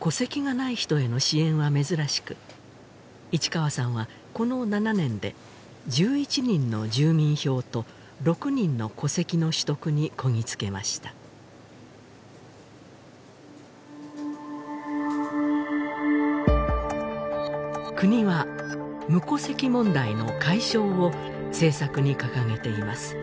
戸籍がない人への支援は珍しく市川さんはこの７年で１１人の住民票と６人の戸籍の取得にこぎ着けました国は「無戸籍問題の解消」を政策に掲げています